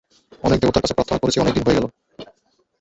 আমরা দেবতার কাছে প্রার্থনা করেছি অনেক দিন হয়ে গেলো।